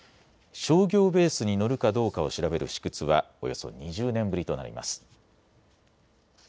商業ベースに乗るかどうかを調べる試掘はおよそ２０年ぶりとなります。